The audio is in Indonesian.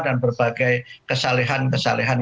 dan berbagai kesalahan kesalahan